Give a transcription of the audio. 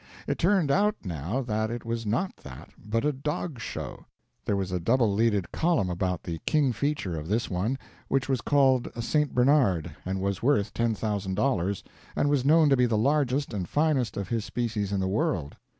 It turned out, now, that it was not that, but a dog show. There was a double leaded column about the king feature of this one, which was called a Saint Bernard, and was worth $10,000, and was known to be the largest and finest of his species in the world.